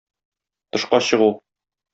Тышка чыгу.